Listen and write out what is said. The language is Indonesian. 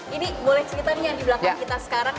ini boleh cerita nih yang di belakang kita sekarang